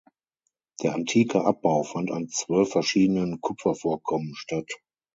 Der antike Abbau fand an zwölf verschiedenen Kupfervorkommen statt.